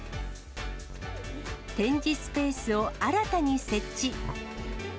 展示スペースを新たに設置。